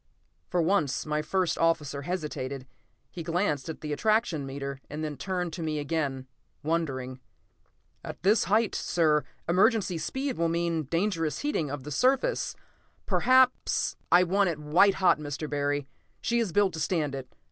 For once my first officer hesitated. He glanced at the attraction meter and then turned to me again, wondering. "At this height, sir, emergency speed will mean dangerous heating of the surface; perhaps " "I want it white hot, Mr. Barry. She is built to stand it.